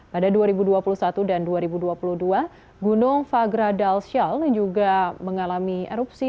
pada dua ribu dua puluh satu dan dua ribu dua puluh dua gunung fagradalsyal juga mengalami erupsi